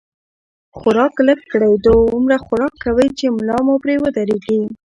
خوراک لږ کړئ، دومره خوراک کوئ، چې ملا مو پرې ودرېږي